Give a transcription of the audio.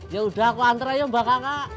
yaudah aku antar ayo mbak kakak